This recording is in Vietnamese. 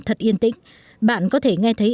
thật yên tĩnh bạn có thể nghe thấy